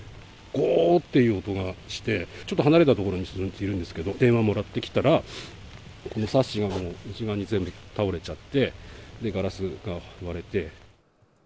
ごーっていう音がして、ちょっと離れた所にいるんですけれども、電話もらって来たら、サッシが内側に全部倒れちゃって、ガラスが割れて。